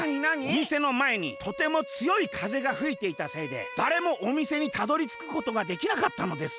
「おみせのまえにとてもつよいかぜがふいていたせいでだれもおみせにたどりつくことができなかったのです。